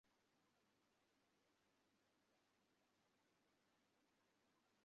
ব্যাপারটা কী তাহা আমার মতো অব্যবসায়ীর পক্ষে বোঝা এবং বোঝানো শক্ত।